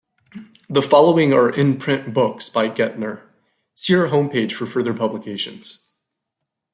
The following are in-print books by Gentner; see her home page for further publications.